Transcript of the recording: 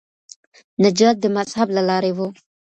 نجات د مذهب له لاري و.